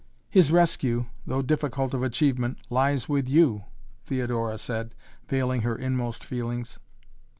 "His rescue though difficult of achievement lies with you," Theodora said, veiling her inmost feelings.